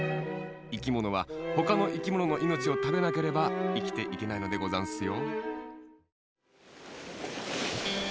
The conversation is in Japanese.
いきものはほかのいきもののいのちをたべなければいきていけないのでござんすよ。